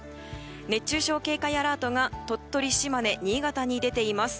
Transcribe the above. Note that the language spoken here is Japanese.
熱中症警戒アラートが鳥取、島根、新潟に出ています。